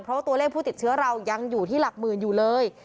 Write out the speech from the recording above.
เพราะว่าตัวเลขผู้ติดเชื้อเรายังอยู่ที่หลักหมื่นอยู่เลย